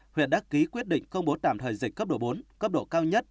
huyện đắc ký quyết định công bố tạm thời dịch cấp độ bốn cấp độ cao nhất